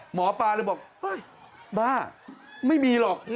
หมอป๊าเลยบอกบ้าไม่มีหรอก